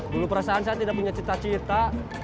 dulu perasaan saya tidak punya cita cita